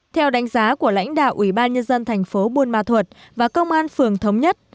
theo đánh giá của lãnh đạo ủy ban nhân dân thành phố buôn ma thuật và công an phường thống nhất